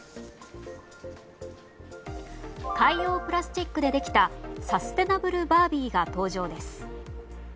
海洋プラスチックでできたサステナブルバービーが登場です。